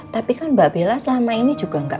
tapi kan mbak bella selama ini juga nggak